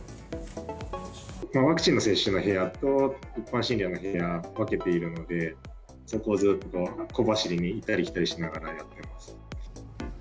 ワクチンの接種の部屋と、一般診療の部屋分けているので、そこをずっと小走りに、行ったり来たりしながらやってます。